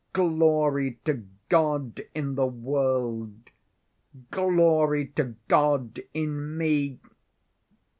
Glory to God in the world, Glory to God in me